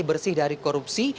bersih dari korupsi